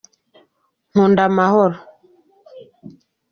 Nkunda amahoro.